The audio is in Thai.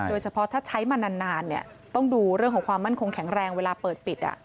โดยเฉพาะถ้าใช้มานานต้องดูเรื่องของความมั่นคงแข็งแรงเวลาเปิดปิด